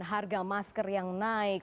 harga masker yang naik